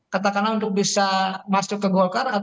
katakanlah untuk bisa masuk ke golkar